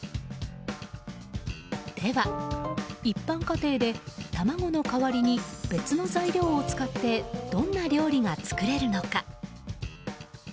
では一般家庭で卵の代わりに別の材料を使ってどんな料理が作れるのか。